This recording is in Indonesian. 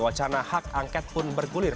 wacana hak angket pun bergulir